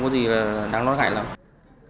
người dùng hoàn toàn có thể kiểm soát được